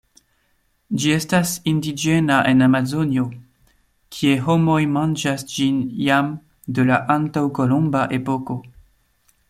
Ĝi estas indiĝena en Amazonio, kie homoj manĝas ĝin jam de la antaŭkolumba epoko.